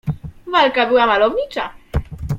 "Walka była malownicza."